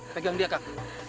pegang dia kak